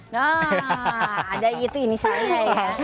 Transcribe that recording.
nah ada itu inisialnya ya